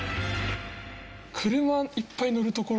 車いっぱい乗る所とか？